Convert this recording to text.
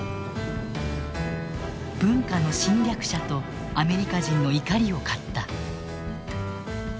文化の侵略者とアメリカ人の怒りを買った。